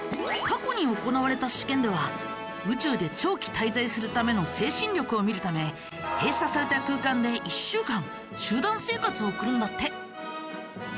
過去に行われた試験では宇宙で長期滞在するための精神力を見るため閉鎖された空間で１週間集団生活を送るんだって。